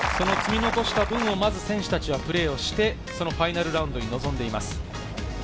その積み残した分を選手たちはプレーをしてファイナルラウンドに臨んでいます。